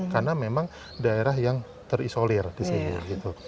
karena memang daerah yang terisolir di sini gitu